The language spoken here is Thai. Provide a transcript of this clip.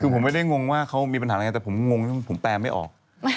ผมไม่ได้งงว่าเค้ามีปัญหาอะไรอ่ะแต่ผมแปลไม่ออก